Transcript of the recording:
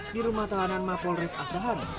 di rumah tahanan makol res asahan